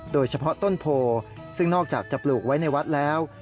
โดยเฉพาะต้นโพซึ่งนอกจากจะปลูกไว้ในวัดแล้ว